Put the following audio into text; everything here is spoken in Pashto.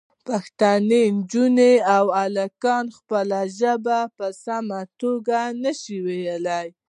پښتنې نجونې او هلکان خپله ژبه په سمه توګه نه شي ویلی.